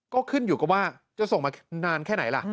ก็ขึ้นอยู่กับว่าจะส่งมานานแค่ไหนล่ะ